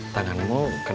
tanganmu kenapa gemeteran